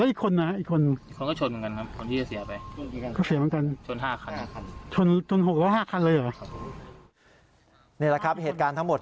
นี่แหละครับเหตุการณ์ทั้งหมด